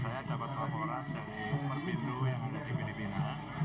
saya dapat laporan dari perpindo yang ada di filipina